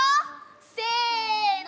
せの。